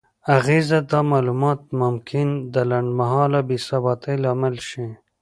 اغیزه: دا معلومات ممکن د لنډمهاله بې ثباتۍ لامل شي؛